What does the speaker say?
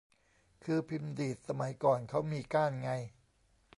คือพิมพ์ดีดสมัยก่อนเค้ามีก้านไง